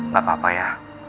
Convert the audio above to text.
gak apa apa ya